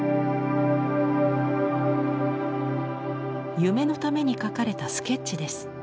「夢」のために描かれたスケッチです。